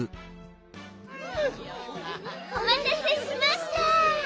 おまたせしました！